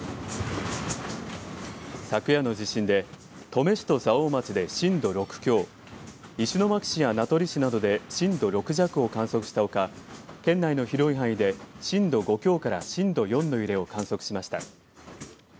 昨夜の地震で登米市と蔵王町で震度６強、石巻市や名取市などで震度６弱を観測したほか県内の広い範囲で震度５強から震度４の揺れを観測しました。